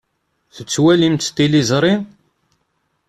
Tettwalimt tiliẓri?